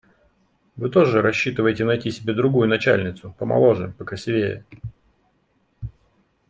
Вы тоже рассчитываете найти себе другую начальницу, помоложе, покрасивее.